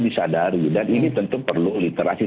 disadari dan ini tentu perlu literasi